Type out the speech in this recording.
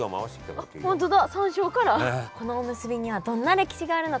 このおむすびにはどんな歴史があるのか。